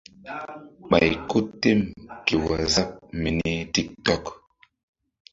Ɓay ko tem ké waazap mini tik tok.